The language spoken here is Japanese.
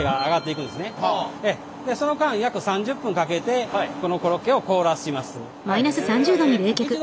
でその間約３０分かけてこのコロッケを凍らします。